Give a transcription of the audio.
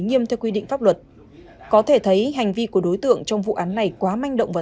nghiêm theo quy định pháp luật có thể thấy hành vi của đối tượng trong vụ án này quá manh động và